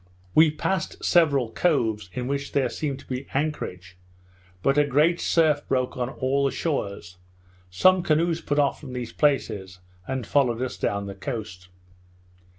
We passed several coves in which there seemed to be anchorage; but a great surf broke on all the shores. Some canoes put off from these places, and followed us down the coast.